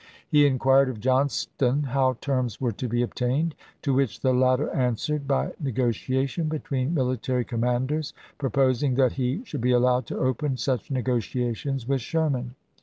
He inquired of Johnston how terms were to be obtained ; to which the latter answered, by negotia tion between military commanders, proposing that he should be allowed to open such negotiations with Sherman.